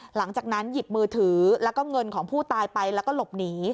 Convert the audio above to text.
หลังจากนั้นหยิบมือถือแล้วก็เงินของผู้ตายไปแล้วก็หลบหนี